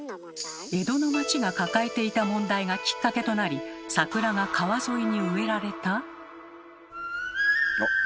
江戸の町が抱えていた問題がきっかけとなり桜が川沿いに植えられた？